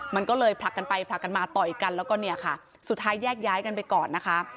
มันก็เลยผลักกันไปผลักกันมาต่อยกันแล้วก็เนี่ยค่ะสุดท้ายแยกย้ายกันไปก่อนนะคะ